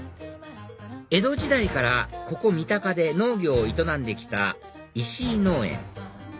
江戸時代からここ三鷹で農業を営んで来た以志井農園